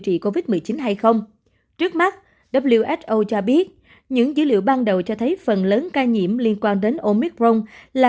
trước mắt who cho biết những dữ liệu ban đầu cho thấy phần lớn ca nhiễm liên quan đến omicron là